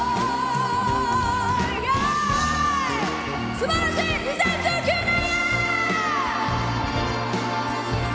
すばらしい２０１９年へ。